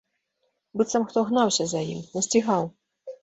Быццам хто гнаўся за ім, насцігаў.